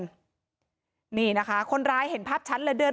พอครูผู้ชายออกมาช่วยพอครูผู้ชายออกมาช่วย